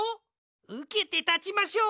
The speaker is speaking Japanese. うけてたちましょう！